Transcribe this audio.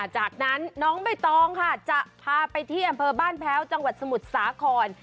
จากนั้นน้องใบตองค่ะจะพาไปที่อำเภอบ้านแพ้วจังหวัดสมุทรสาคร